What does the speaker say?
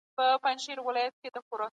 د ځمکي پر مخ امن قائم کړئ.